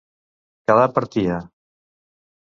Quedar per tia.